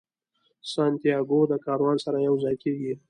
سانتیاګو د کاروان سره یو ځای کیږي.